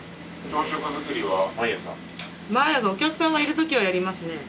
毎朝お客さんがいる時はやりますね。